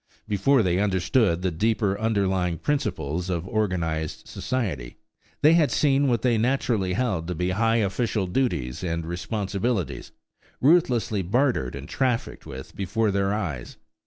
Before they understood the deeper underlying principles of organized society, they had seen what they naturally held to be high official duties and responsibilities ruthlessly bartered and trafficked with before their eyes.